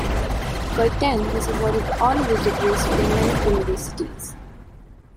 Goitein was awarded honorary degrees from many universities.